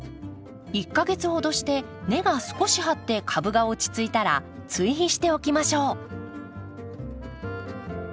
１か月ほどして根が少し張って株が落ち着いたら追肥しておきましょう。